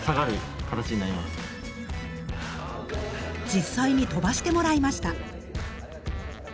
実際に飛ばしてもらいました。